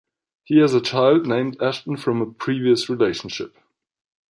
He has a child named Ashton from a previous relationship.